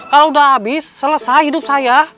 kalau sudah habis selesai hidup saya